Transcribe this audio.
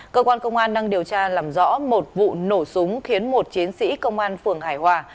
cơ quan công an đang điều tra làm rõ một vụ nổ súng khiến một chiến sĩ công an phường hải hòa